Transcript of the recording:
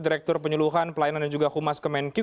direktur penyeluhan pelayanan dan juga humas kemenki